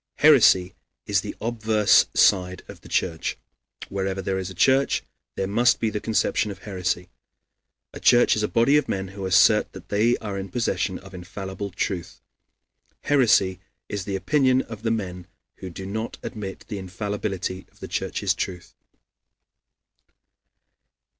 Heresy is the obverse side of the Church. Wherever there is a church, there must be the conception of heresy. A church is a body of men who assert that they are in possession of infallible truth. Heresy is the opinion of the men who do not admit the infallibility of the Church's truth.